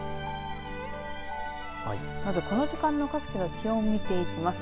まず、この時間の各地の気温見ていきます。